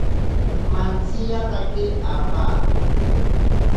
Mantsiyatake apaa.